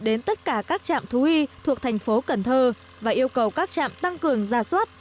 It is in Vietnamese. đến tất cả các trạm thú y thuộc thành phố cần thơ và yêu cầu các trạm tăng cường gia soát